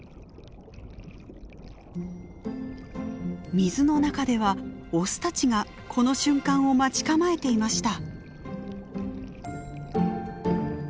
水の中ではオスたちがこの瞬間を待ち構えていました。